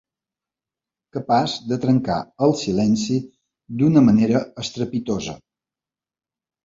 Capaç de trencar el silenci d'una manera estrepitosa.